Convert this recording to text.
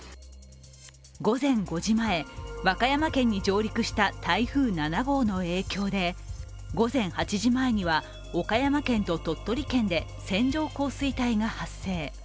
午前５時前、和歌山県に上陸した台風７号の影響で午前８時前には岡山県と鳥取県で線状降水帯が発生。